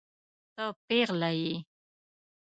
ته پيغله يې.